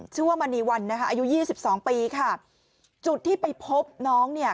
ชื่อว่ามณีวันนะคะอายุ๒๒ปีค่ะจุดที่ไปพบน้องเนี่ย